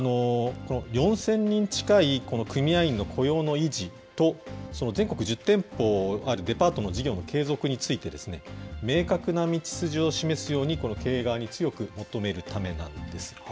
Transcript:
４０００人近いこの組合員の雇用の維持と、全国１０店舗あるデパートの事業の継続についてですね、明確な道筋を示すように、この経営側に強く求めるためなんです。